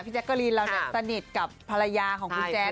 พี่แจ็คเกอลินเราเนี่ยสนิทกับของพลายาของคุณแจ๊ค